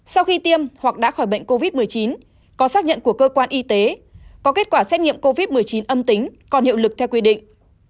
sau khi tiêm hoặc đã khỏi bệnh covid một mươi chín có xác nhận của cơ quan y tế có kết quả xét nghiệm covid một mươi chín âm tính còn hiệu lực theo quy định